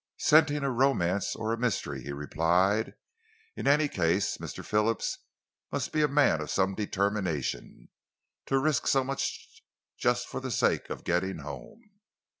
"Scenting a romance or a mystery," he replied. "In any case, Mr. Phillips must be a man of some determination, to risk so much just for the sake of getting home."